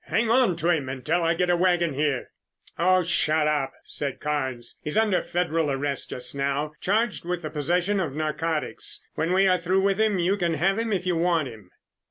"Hang on to him until I get a wagon here!" "Oh, shut up!" said Carnes. "He's under federal arrest just now, charged with the possession of narcotics. When we are through with him, you can have him if you want him."